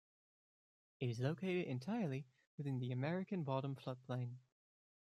It is located entirely within the American Bottom floodplain.